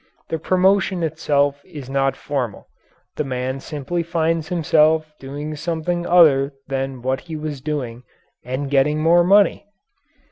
The promotion itself is not formal; the man simply finds himself doing something other than what he was doing and getting more money.